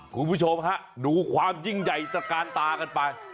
คุณผู้ชมฮะดูความยิ่งใหญ่สการตากันไป